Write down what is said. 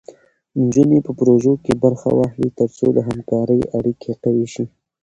نجونې په پروژو کې برخه واخلي، تر څو د همکارۍ اړیکې قوي شي.